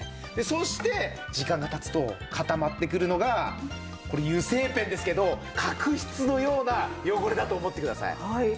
そして時間が経つと固まってくるのがこれ油性ペンですけど角質のような汚れだと思ってください。